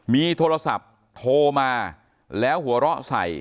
มีโทรศัพท์โทรมาแล้วหัวเราะใส่